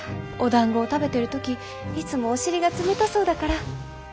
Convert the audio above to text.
「おだんごを食べてる時いつもお尻が冷たそうだから」。